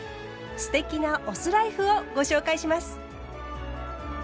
“酢テキ”なお酢ライフをご紹介します。